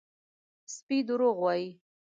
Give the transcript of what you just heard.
_سپی دروغ وايي!